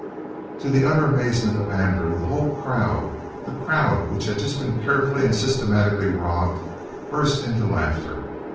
To the utter amazement of Andrew the whole crowd the crowd which had just been carefully and systematically robbed burst into laughter.